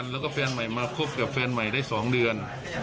แล้วก็แฟนใหม่มาคบกับแฟนใหม่ได้๒เดือน